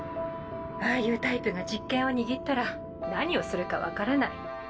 ああいうタイプが実権を握ったら何をするか分からない。